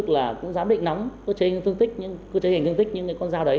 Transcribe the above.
là ba trận hướng